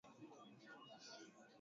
kwa bidhaa ya petroli na dizeli na